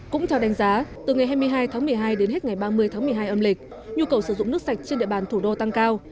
cũng theo đánh giá từ ngày hai mươi hai tháng một mươi hai đến hết ngày ba mươi tháng một mươi hai âm lịch nhu cầu sử dụng nước sạch trên địa bàn thủ đô tăng cao